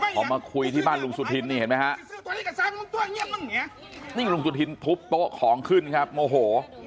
พอมาคุยที่บ้านลุงสุธินนี่เห็นไหมฮะนี่ลุงสุธินทุบโต๊ะของขึ้นครับโมโห